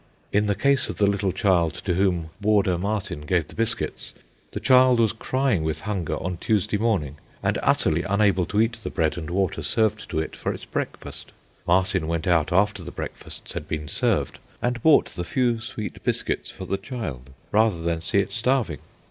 In the case of the little child to whom Warder Martin gave the biscuits, the child was crying with hunger on Tuesday morning, and utterly unable to eat the bread and water served to it for its breakfast. Martin went out after the breakfasts had been served and bought the few sweet biscuits for the child rather than see it starving.